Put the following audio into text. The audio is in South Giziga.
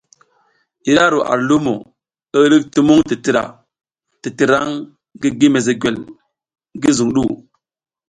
Yi ru ar limo, i hidik tumung titira titirang ngi gi mezegwel ngi zuŋ du.